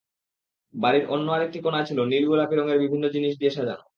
বাড়ির অন্য আরেকটি কোনায় ছিল নীল-গোলাপি রঙের বিভিন্ন জিনিস দিয়ে সাজানো।